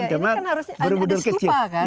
ini kan harus ada stupa kan